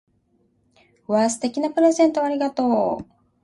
わぁ！素敵なプレゼントをありがとう！